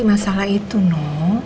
masalah itu no